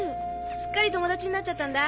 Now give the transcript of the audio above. すっかり友達になっちゃったんだ。